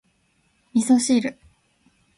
味噌汁